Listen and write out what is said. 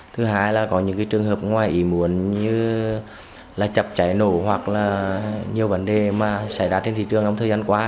thứ hai là có những trường hợp ngoài ý muốn như là chập cháy nổ hoặc là nhiều vấn đề mà xảy ra trên thị trường trong thời gian qua